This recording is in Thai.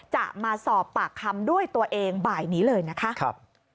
จะมาสอบปากคำด้วยตัวเองบ่ายนี้เลยนะคะ